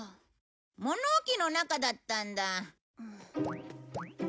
物置の中だったんだ。